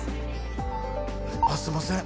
あっすいません。